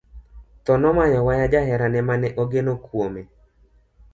Tho nomaya waya jaherane mane ogeno kuome.